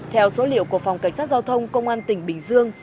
theo số liệu của phòng cảnh sát giao thông công an tỉnh bình dương